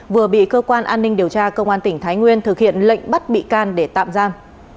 vừa bị cơ quan an ninh điều tra công an tỉnh thái nguyên thực hiện lệnh bắt bị can để tạm giam